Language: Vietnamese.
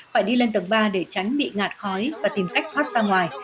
phải đi lên tầng ba để tránh bị ngạt khói và tìm cách thoát ra ngoài